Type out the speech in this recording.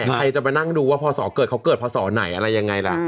ใครจะไปนั่งดูว่าพศเกิดเขาเกิดพศไหนอะไรยังไงล่ะ